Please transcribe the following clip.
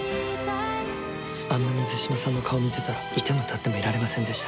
あの水島さんの顔見てたらいてもたってもいられなくなりました。